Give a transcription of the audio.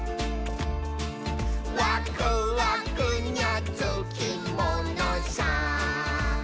「ワクワクにゃつきものさ」